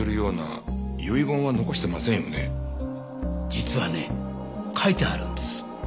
実はね書いてあるんです。